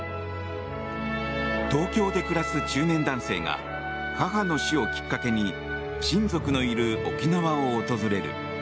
東京で暮らす中年男性が母の死をきっかけに親族のいる沖縄を訪れる。